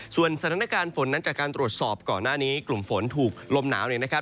ส่วนสถานการณ์ฝนนั้นจากการตรวจสอบก่อนหน้านี้กลุ่มฝนถูกลมหนาวเนี่ยนะครับ